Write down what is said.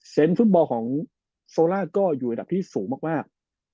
ฟุตบอลของโซล่าก็อยู่ระดับที่สูงมาก